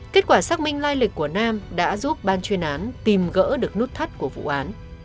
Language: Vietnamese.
kết quả xác minh lai lịch của nam đã giúp ban chuyên án tìm gỡ được nút thắt của vụ án